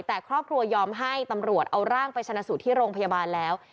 แต่ครอบครัวยอมให้ตำรวจเอาร่างไปชนะสูตรที่โรงพยาบาลแล้ว